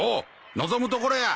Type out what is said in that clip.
望むところや！